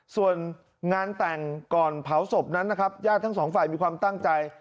ส่วนงานแต่งก่อนเผาศพนั้นนะครับญาติทั้งสองฝ่ายมีความตั้งใจ